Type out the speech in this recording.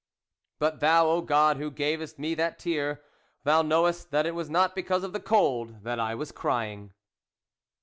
But Thou, O God, who gavest me that tear, Thou knowest that it was not because of the cold that I was crying.